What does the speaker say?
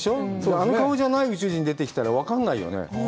あの顔じゃない宇宙人出てきたら分からないよね。